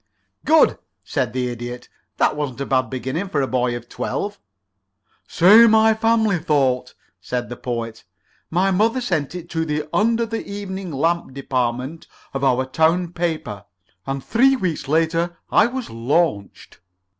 '" "Good!" said the Idiot. "That wasn't a bad beginning for a boy of twelve." "So my family thought," said the Poet. "My mother sent it to the Under the Evening Lamp Department of our town paper, and three weeks later I was launched.